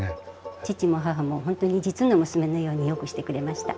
義父も義母も本当に実の娘のようによくしてくれました。